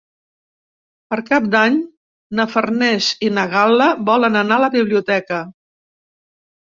Per Cap d'Any na Farners i na Gal·la volen anar a la biblioteca.